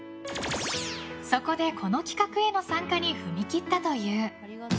そこで、この企画への参加に踏み切ったという。